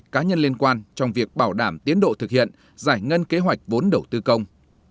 cá nhân liên quan trong việc bảo đảm tiến độ thực hiện giải ngân kế hoạch vốn đầu tư công